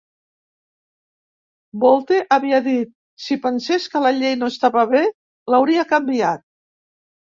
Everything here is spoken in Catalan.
Bolte havia dit: "Si pensés que la llei no estava bé, l'hauria canviat".